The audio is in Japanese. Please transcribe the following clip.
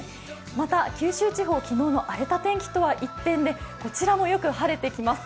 また九州地方昨日の荒れた天気とは一転でこちらもよく晴れてきます。